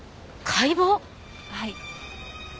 はい。